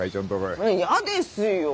やですよ。